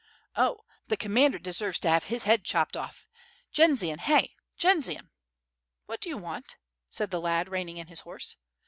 "Oh, the Commander deserves to have his head chopped off. Jendzian, hey! Jendzian!" "What do you want?" said the lad reining in his horse.